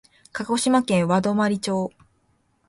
鹿児島県和泊町